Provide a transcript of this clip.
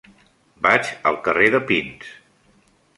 Vaig al carrer de Pins.